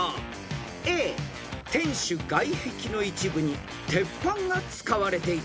［Ａ天守外壁の一部に鉄板が使われていた］